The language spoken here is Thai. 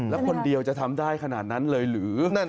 แล้วคนเดียวจะทำได้ขนาดนั้นเลยหรือนั่น